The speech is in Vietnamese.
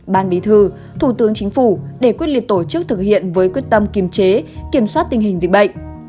ban bí thư thủ tướng chính phủ để quyết liệt tổ chức thực hiện với quyết tâm kiềm chế kiểm soát tình hình dịch bệnh